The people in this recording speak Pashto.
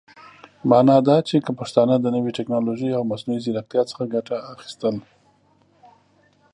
معنا دا چې که پښتانهٔ د نوې ټيکنالوژۍ او مصنوعي ځيرکتيا څخه ګټه اخيستل